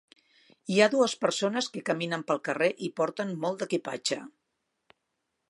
Hi ha dues persones que caminen pel carrer i porten molt d'equipatge.